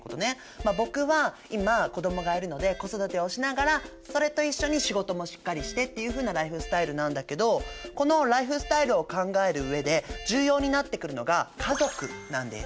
まあ僕は今子どもがいるので子育てをしながらそれと一緒に仕事もしっかりしてっていうふうなライフスタイルなんだけどこのライフスタイルを考える上で重要になってくるのが「家族」なんです。